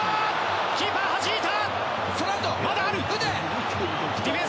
キーパーはじいた。